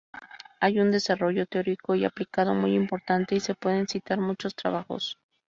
Hay un desarrollo teórico y aplicado muy importante y se pueden citar muchos trabajos.